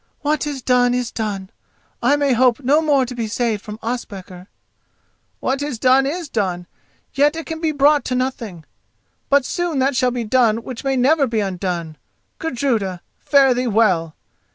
What is done is done—I may hope no more to be saved from Ospakar." "What is done is done, yet it can be brought to nothing; but soon that shall be done which may never be undone! Gudruda, fare thee well!